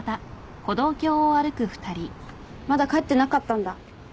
まだ帰ってなかったんだ。